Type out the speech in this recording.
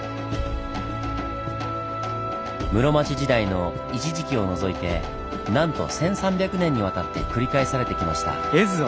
室町時代の一時期を除いてなんと１３００年にわたって繰り返されてきました。